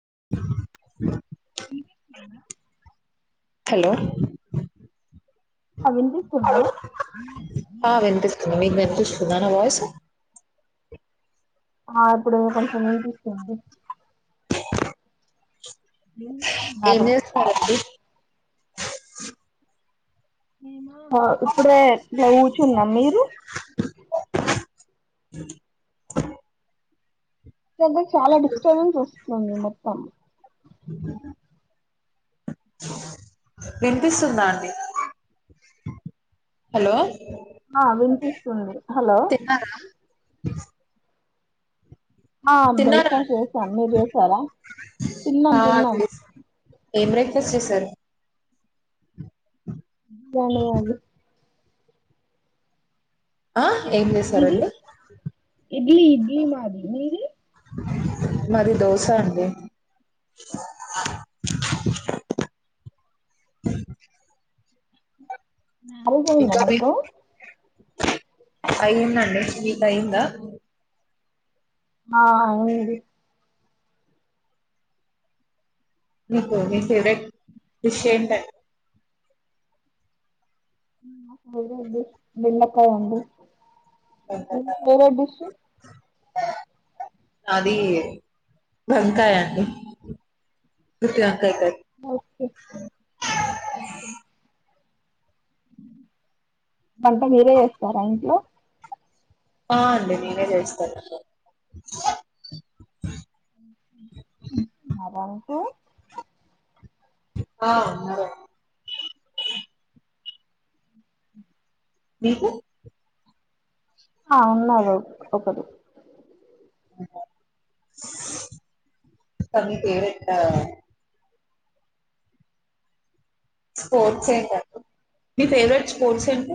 [inaudible] Hello అ విన్పిస్తుందా? పిస్తుందా నా వాయిస్? ఆ ఇప్పుడు కొంచెం ఇన్పిస్తుంది. రియల్గా ఏంచేస్థనార్రండి? ఇప్పుడే ఇట్ల కూర్చున్న, మీరు? ఏదొ చాలా డిస్టర్బెన్స్ వస్తుందండి మొత్తం? వినిపిస్తుందా అండి? హలో ఆ వినిపిస్తుంది, హలో! తిన్నారా ఆ తిన్నారా బ్రేక్ఫాస్ట్ అండి? చేసాం, మీర్ చేసారా? తిన్నం, ఆ, తిన్నం. చేస్- ఏం బ్రేక్ఫాస్ట్ చేసారు? జండుబామియి ఆ? ఏం మీది చేసారండి? ఇడ్లీ, ఇడ్లీ మాది. మీది? మాది దోసా అండి. నాలుగ పోయిందా మీకు? అయింది అండి మిది అయిందా ఆ అయింది నీకు నీ ఫేవరెట్ డిష్ ఏంటది ఫ్రై అండి బెండకాయి అండి వేరే డిష్ అది వంకాయ అండి వంకాయ కర్రీ ఓకే అ వంట మీరే చేస్తారా ఇంట్లో ఆ అండి నేనే చేస్తాను [inaudible] ఆ మీకు ఆ ఉన్నాది ఒకటి నీ ఫేవరెటా స్పోర్ట్స్ ఏంటండి మీ ఫేవరెట్ స్పోర్ట్స్ ఏంటి?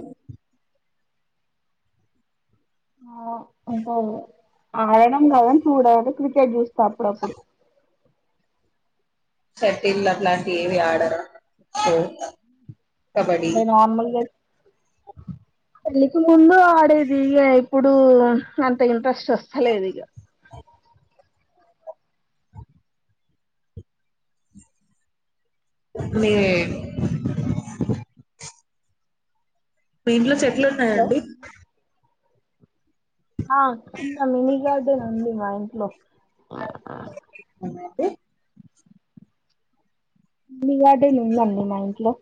ఆడడం కాదని చూడాలంటే క్రికెట్ చూస్తా అప్పుడప్పుడు షటిల్ అట్లాంటివి ఏవి ఆడరా సో అంటే నార్మల్గా పెళ్లికి ముందు ఆడేది ఏ ఇప్పుడు ఇప్పుడు అంత ఇంట్రెస్ట్ వస్తలేదు ఇక మీరే మీ ఇంట్లో చెట్ ఎట్లు హలో ఉన్నాయండి ఆ చిన్న లొల్లి గాదు అయితే రండి మాఇంట్లో [unintelligible] మీ గార్డేన్ ఉందండి మా ఇంట్లో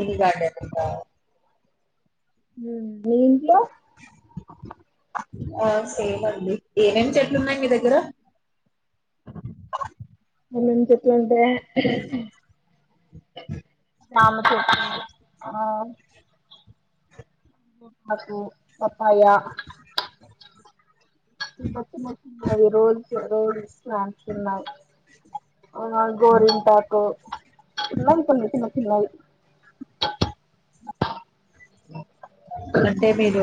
ఇది గార్డేన్ ఉందా మీ ఇంట్లో ఆ సేమండి ఏమేమి చెట్లున్నాయి మీ దగ్గర అన్నాన్ని చెట్లుంటే జామ చెట్టు ఆ అకు పపాయ రోల్ [unintelligible] [unintelligible] గోరింటాకు చిన్నవి చిన్న చిన్న చిన్నవి ఓ అంటే మీరు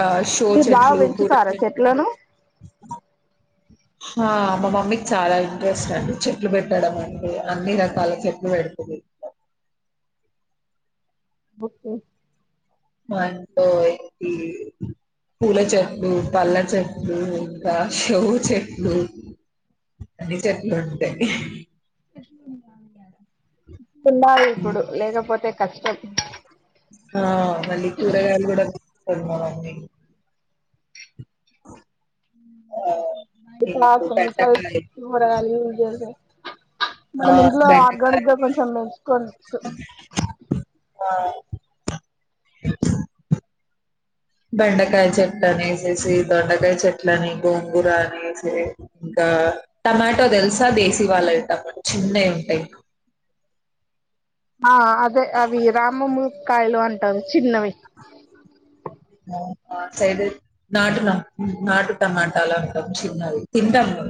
ఆ షో మీరు బాగా చెట్లు కూడ పెంచుతారా చెట్లు చెట్లను ఆ మా మమ్మీకి చాలా ఇంట్రెస్ట్ అండి చెట్లు పెట్టడం అండి, అన్ని రకాల చెట్లు పెడుతది ఓకే మాంట్లో ఏ పూల చెట్లు, పల్ల చెట్లు, ఇంకా చెవు చెట్లు అన్ని చెట్లు ఉంటాయి. ఉన్నారు ఇప్పుడు లేకపోతే కష్టం ఆ మల్లి కూరగాయలు కూడా [unintelligible] అఓ ఇట్డ కెమికల్స్ బెండకాయ కూడా లు ఆ మనం ఇంట్లో బెండకాయ ఆర్గానిక్ గా కొంచెం పెన్చుకోవచ్చు [inaudible] బెండకాయ చెట్లు అనేసేసి, దొండకాయ చెట్ల అని, గోంగూర అనేసి, ఇంకా టమాటో తెలుసా దేశీ వాళ్ళ టమాట చిన్నవి ఉంటాయి. ఆ అదే అవి రామములు కాయలు అంటారు చిన్నవి సైడ్ నాటునా మాటు టమాట చలా చిన్నవి తింటాము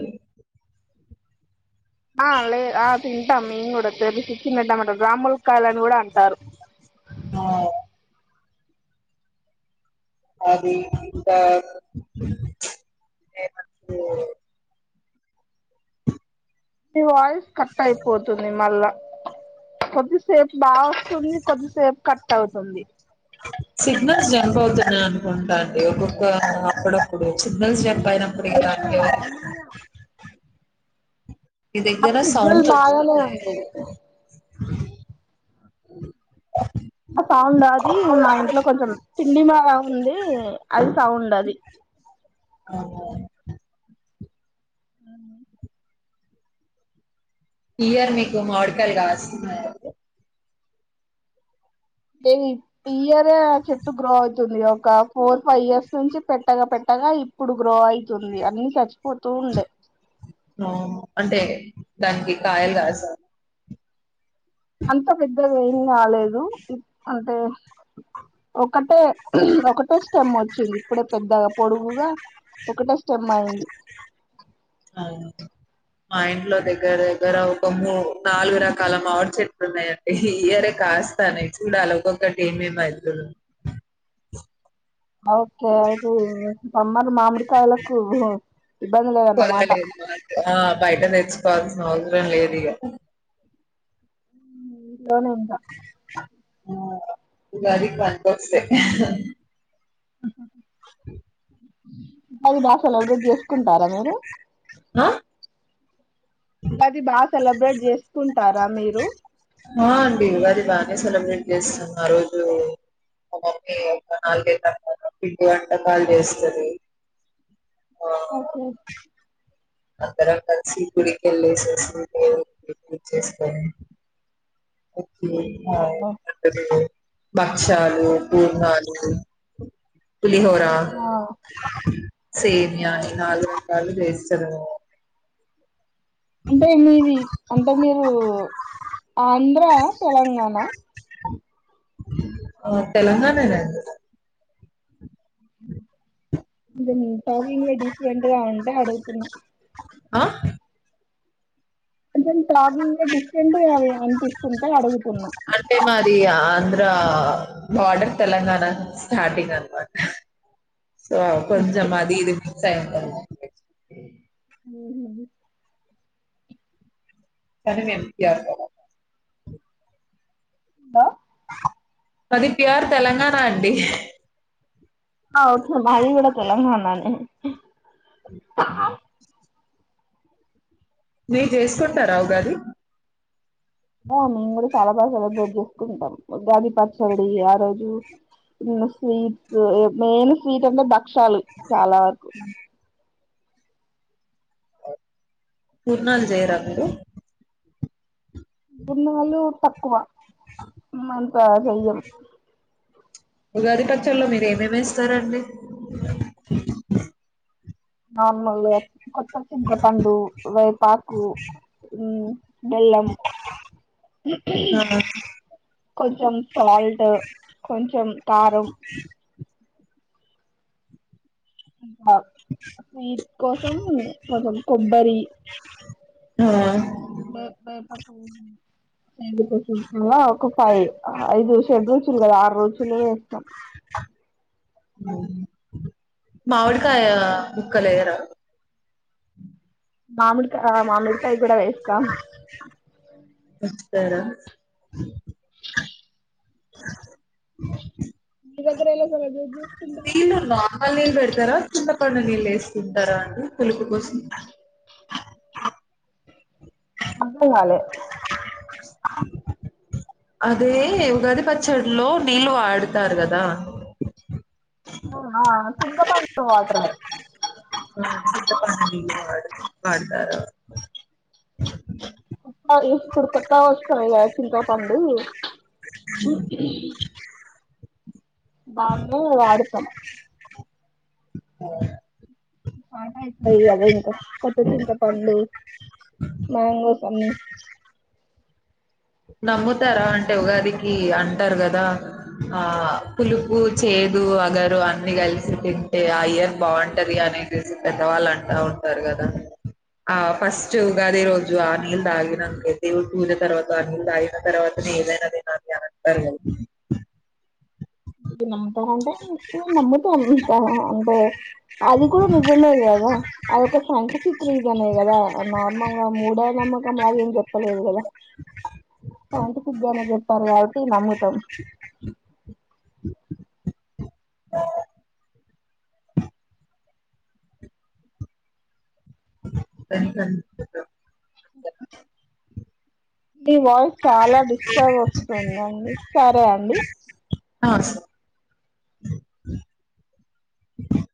ఆ లే ఆ తింటాం మేము కూడా తెచ్చి చిన్న టమోటా రాముల కాయలు అని కూడా టారు అవి అది ఇంకా వాయిస్ కట్ అయిపోతుంది మళ్ళా ప సేపు బా వస్తుంది కొద్దిసేపు కట్ అవుతుంది పోతున్నా అనుకుంటాండి ఒక్కొక్క అప్పుడప్పుడు సిగనల్స్ వ్యాపయారం ప్రదా అంకే మాకు సిగ్నల్ బాగానే ఉంది అ సౌండ్ అది మా ఇంట్లో కొంచెం తిండి మ ఉంది అది సౌండ్ అది అవు మ్ ఇయర్ మీకు మావిడికాయలు కస్తున్నాయా అండి ఇ ఇయర్ చెట్టు గ్రో అవుతుంది, ఒక ఫోర్ ఫైవ్ ఇయర్స్ నుంచి పెట్టగా పెట్టగా, ఇప్పుడు గ్రో అయితుంది అన్ని చచ్చిపోతూ ఉండే అంటే దానికి కాయలు కాదు సార్ అంత పెద్ తది రాలేదు అంటే ఒకటే ఒకటే స్టెమ్ వచ్చింది ఇప్పుడే పెద్దగా పొడుగుగా ఒకటే స్టెమ్ అయ్ అవును మా ఇంట్లో దగ్గర దగ్గర ఒక మూ నాలుగు రకాల ఆర్చెట్లున్నాయంటే ఇయరే కాస్తానే చూడాలి ఒక్కొక్కటి ఏమే అతు ఓకే అది స మ్మర్ మామిడికాయలకు ఇబ్బంది లేదన్నమాట కుదరలేదు మాకు. ఆ బయట తెచ్చుకోవాల్సిన అవసరం లేదిగా దోనంద ఆ గది పనికొస్తాయి అది భాసలు ఎవడో చేసుకుంటారా మీరు ఆ అది బాగా సెలబ్రేట్ చేసుకుంటారా మీరు ఆ అండి అది బానే సెలబ్రేట్ చేస్తాం ఆ రోజు మమ్మీ ఒక నాలుగే కంట పిండి వంటకాలు చేస్తుంది ఓకే అందరం కలిసి గుడికి వెళ్ళేసోస్తే దేవుని గుర్తు చేసుకొని ఓ [unintelligible] బా క్షలు పూర్ణలు అ పులిహోరా ఆ సేమియా ఈ నాలుగు రకాలు చేస్ తరు అంటే మీది అంటే మీరు ఆంధ్ర తెలంగాణ ఆ తెలంగాణ నే అండి నాద్ అదే నే టాకింగ్ డిఫరెంట్ గా ఉంటే అడుగుతున్నా ఆ అంటే మీ టాకింగ్ డిఫరెంట్గా అ అనిపిస్తుంటే అడుగుతున్నా ఆంధ్రా బార్డర్ తెలంగాణ స్టార్టింగ్ అన్ మాట సో కొంచెమది ఇది సైతది ఉంహు అంటే మేం వ్యాస చాలా హలో మాది ప్యూర్ తెలంగాణ అండి అ ఓక్ మాది కూడా తెలంగాణనే అండి ఆ ని చేస్కుంటర ఉగాది మామ ఇ కూడా చాలా బాగా సెలబ్రేట్ చేసుకుంటాం ఉగాది పచ్చడి ఆ రోజు స్వీట్స్ మెయిన్ స్వీట్ అంటె బ క్షాలు చాలా వ పూర్ణాలు జెయ్రా మీరు గున్నాలు తక్కువ మ ఆ సెయ్యం ఉగాది ఖచ్చల్లో మీర్ ఏమేమేస్తరండి ఆమల్లు కొ చింతపండు వేపాకు బెల్లం ఆ కొంచెం సాల్ట్ కొంచెం కారం స్వీట్ కోసం కొంచం కొబ్బరి ఆ ఒక ఫైవ్ ఐదు షెడ్ రోజులు కదా ఆర్ రుచలూ ఏస్తం మావిడికాయా ముక్కలేయర అ మామిడికాయ మామిడికాయ కూడా వేస్తాం స్తార [inaudible] మిదెగ్గరెలా సెలబ్రేట్ జే నీల్లు నార్మల్ నీల్ బెడతరా చింత పండు నీళ్ళు ఏస్కుంటరా అండి పులుపు కోసం అద్దం గాలె అదే ఉగాది పచ్చడ్లో నీళ్ళు ఆడుతారు గదా హ ఆ చింతపండు వాట్ర్ చింతపండు నీళ్లు వాడ్తారా అ ఇప్పుడు కొత్తా వస్తంది గద చింతపండు దాన్ని వాడుతమ్ ఓ పాట అవుతుంది కదా ఇంకా కొత్త చింతపండ్ళు మ్యాంగోస్ అన్నీ నమ్ముతారా అంటే ఉగాదికి అంటరు గదా ఆ పులుపు చేదు వగరు అన్ని కలిసి తింటే ఆ ఇయర్ బాగుంటది అనేసి పెద్దవాళ్ళు అంటా ఉంటరు గదా ఆ ఫస్ట్ ఉగాది రోజు ఆ నీళ్ళు దాగినంక దేవున్ పూజ తర్వాత ఆ నీళ్ళ్ దాగిన తర్వాత నె ఏదైన దినాలి అంటరు ఉనా కంటే ఇ నమ్ముతం ఆ అంటె అది కూడా నిజమే కద అదిొక సైంటిఫిక్ రీజనే కదా నార్మల్గా మూడ నమ్మకం లాగ ఏం చెప్పలేదు కదా సైంటిఫిక్ గానే చెప్పారు కాబట్టి నమ్ముతం స [unintelligible] మీ వాయిస్ చాలా డిస్టర్బ్ వస్తుందండి సరే అండి అహా